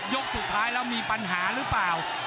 สุดท้ายแล้วมีปัญหาหรือเปล่า